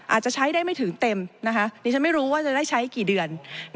อาจจะใช้ได้ไม่ถึงเต็มนะคะดิฉันไม่รู้ว่าจะได้ใช้กี่เดือน